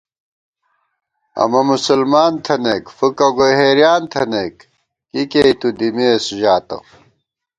امہ مسلمان تھنَئیک فُکہ گوئی حېریان تھنَئیک کی کېئی تُو دِمېس ژاتہ